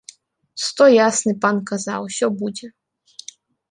Сто ясны пан каза, усё будзе.